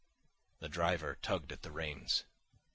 The driver tugged at the reins.